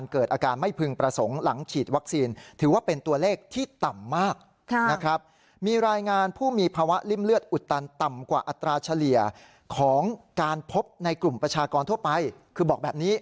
ของการพบในกลุ่มประชากรทั่วไปคือบอกแบบนี้